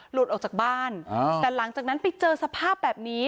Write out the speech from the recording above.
หลุดออกจากบ้านแต่หลังจากนั้นไปเจอสภาพแบบนี้